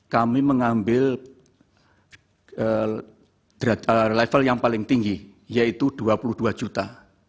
kami mengambil level yang paling tinggi yaitu dua puluh dua juta